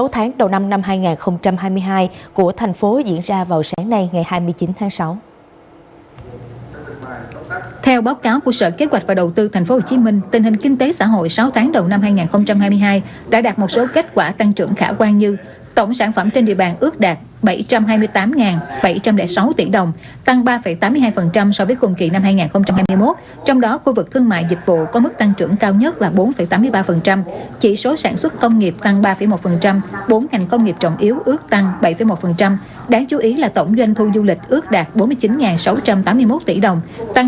sáu tháng đầu năm năm hai nghìn hai mươi hai của tp hcm diễn ra vào sáng nay ngày hai tháng